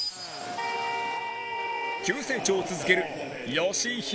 急成長を続ける吉井裕